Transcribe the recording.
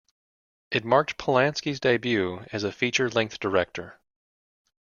It marked Polanski's debut as a feature-length director.